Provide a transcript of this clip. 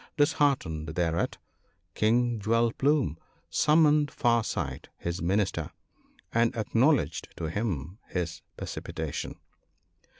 Disheartened thereat, King Jewel plume summoned Far sight his Minister, and ac knowledged to him his precipitation.